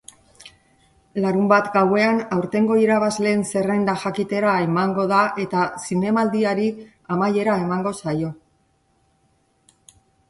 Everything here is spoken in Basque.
Larunbat gauean aurtengo irabazleen zerrenda jakitera emango da eta zinemaldiari amaiera emango zaio.